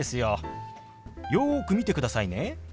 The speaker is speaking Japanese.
よく見てくださいね。